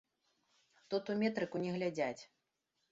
Тут у метрыку не глядзяць.